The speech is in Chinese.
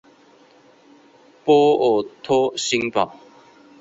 波尔托新堡。